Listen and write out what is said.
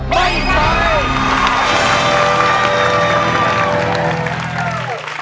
ไม่ใช่